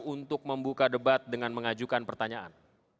untuk membuka debat dengan mengajukan pertanyaan